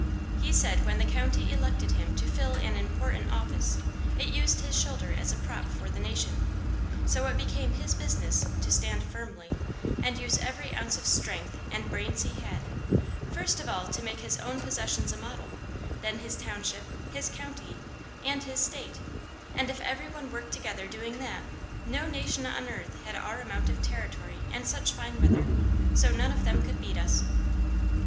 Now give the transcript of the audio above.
He said when the county elected him to fill an important office, it used his shoulder as a prop for the nation, so it became his business to stand firmly, and use every ounce of strength and brains he had, first of all to make his own possessions a model, then his township, his county, and his state, and if every one worked together doing that, no nation on earth had our amount of territory and such fine weather, so none of them could beat us.